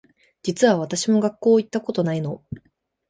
実は私も学校行ったことないの